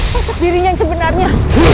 sosok dirinya yang sebenarnya